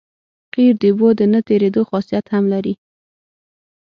قیر د اوبو د نه تېرېدو خاصیت هم لري